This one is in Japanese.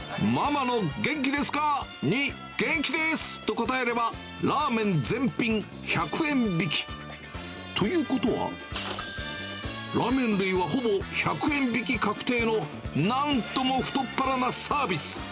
ママの元気ですか？に元気です！と答えれば、ラーメン全品１００円引き。ということは、ラーメン類はほぼ１００円引き確定のなんとも太っ腹なサービス。